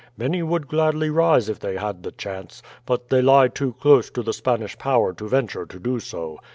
"Many would gladly rise if they had the chance, but they lie too close to the Spanish power to venture to do so.